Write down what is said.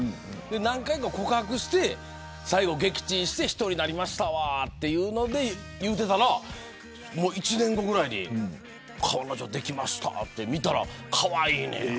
何回か告白して、最後撃沈して１人になりましたと言っていたら１年後ぐらいに彼女できましたって見たらかわいいねん。